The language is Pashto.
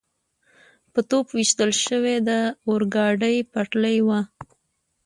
په توپ ویشتل شوې د اورګاډي پټلۍ وه.